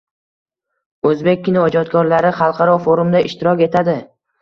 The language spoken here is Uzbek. O‘zbek kinoijodkorlari xalqaro forumda ishtirok etadi